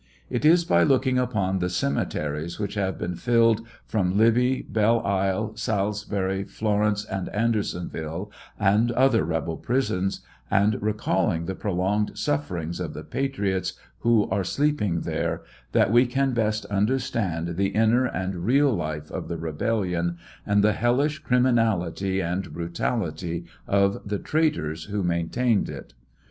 It is by looking upon the cemeteries which have been filled from Libby, Bello isle, Salis bury, Florence, and Andersonville, and other rebel prisons, and recalling the prolonged sufferings of the patriots who are sleeping there, that we can best understand the inner and real life of the rebellion, and the hellish criminality and brutality of the traitors who maintained it.